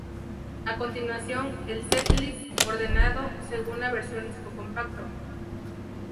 A continuación el "setlist" ordenado según la versión disco compacto